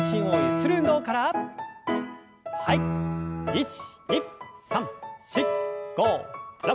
１２３４５６。